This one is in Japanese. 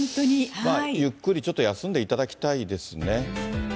ゆっくりちょっと休んでいただきたいですね。